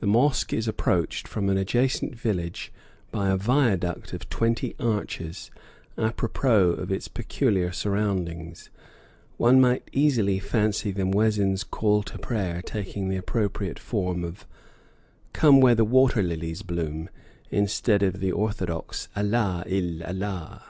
The mosque is approached from an adjacent village by a viaduct of twenty arches; a propos of its peculiar surroundings, one might easily fancy the muezzin's call to prayer taking the appropriate form of, "Come where the water lilies bloom," instead of the orthodox, "Allah il allah."